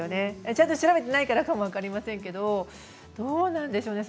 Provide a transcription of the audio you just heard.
ちゃんと調べてないからかも分かりませんけれどもどうなんでしょうね。